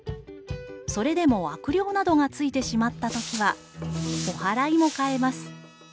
それでも悪霊などがついてしまったときはお祓いも買えます。